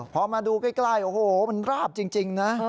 พอมาดูใกล้โอ้โหมันราบจริงนะ